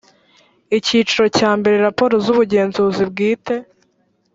icyiciro cyambere raporo z ubugenzuzi bwite